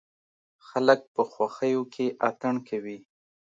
خلک په خوښيو کې اتڼ کوي.